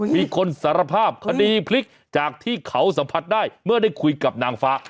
มีคนสารภาพคดีพลิกจากที่เขาสัมผัสได้เมื่อได้คุยกับนางฟ้า